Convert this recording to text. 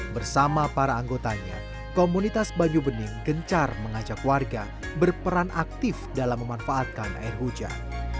bersama para anggotanya komunitas banyu bening gencar mengajak warga berperan aktif dalam memanfaatkan air hujan